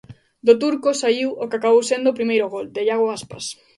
Do turco saíu o que acabou sendo o primeiro gol, de Iago Aspas.